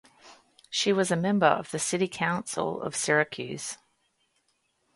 She was a member of the city council of Syracuse.